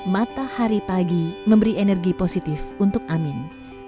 matahari pagi memberi energi positif untuk amin